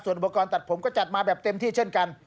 อุปกรณ์ตัดผมก็จัดมาแบบเต็มที่เช่นกัน